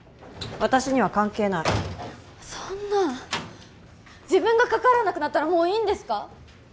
私には関係ないそんな自分が関わらなくなったらもういいんですか？